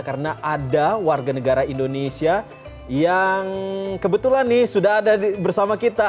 karena ada warga negara indonesia yang kebetulan nih sudah ada bersama kita